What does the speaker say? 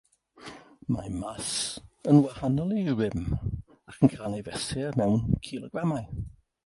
Mae màs yn wahanol i rym ac yn cael ei fesur mewn cilogramau.